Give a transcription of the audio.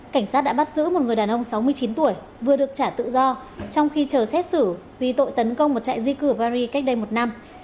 cảnh sát đã bắt giữ một người đàn ông sáu mươi chín tuổi vừa được trả tự do trong khi chờ xét xử vì tội tấn công một trại di cư ở paris cách đây một năm